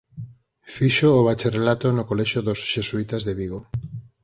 Fixo o bacharelato no Colexio dos Xesuítas de Vigo.